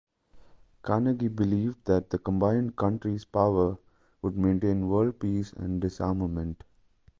Carnegie believed that the combined country's power would maintain world peace and disarmament.